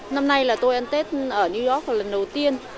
năm nay là tôi ăn tết ở new york lần đầu tiên